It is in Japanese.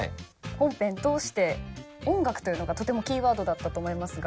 本編通して音楽というのがとてもキーワードだったと思いますが。